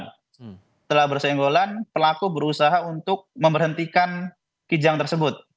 setelah bersenggolan pelaku berusaha untuk memberhentikan kijang tersebut